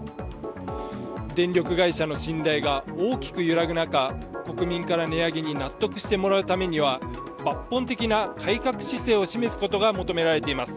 電力会社の信頼が大きく揺らぐ中、国民から値上げに納得してもらうためには抜本的な改革姿勢を示すことが求められています。